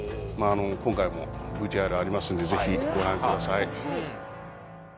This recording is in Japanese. あの今回もＶＴＲありますんでぜひご覧ください